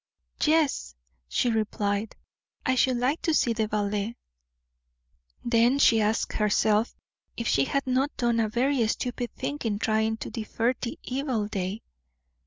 "Yes," she replied; "I should like to see the ballet." Then she asked herself if she had not done a very stupid thing in trying to defer the evil day.